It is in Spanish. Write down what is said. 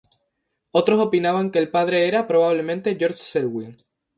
Otros opinaban que el padre era, probablemente, George Selwyn.